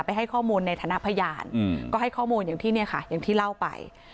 ให้ข้อมูลในฐานะพยานก็ให้ข้อมูลอย่างที่เนี่ยค่ะอย่างที่เล่าไป